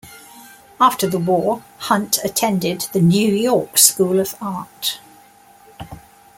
After the war, Hunt attended the New York School of Art.